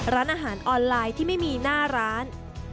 ร้านอาหารออนไลน์ที่ไม่มีหน้าร้าน